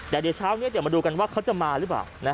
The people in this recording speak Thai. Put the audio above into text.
เดี๋ยวเช้าเราดูกันว่าเขาจะมาหรือเปล่า